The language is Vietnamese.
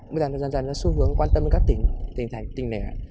bây giờ dần dần nó xu hướng quan tâm đến các tỉnh tỉnh thành tỉnh nẻ